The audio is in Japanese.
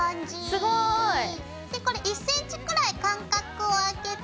すごい！これ１ｃｍくらい間隔を空けて。